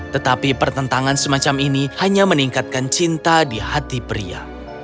tetapi pertentangan semacam ini hanya meningkatkan cinta di hati pria